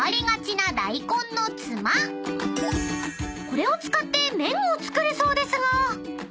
［これを使って麺を作るそうですが］